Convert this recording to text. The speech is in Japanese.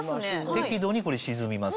適度にこれ沈みます。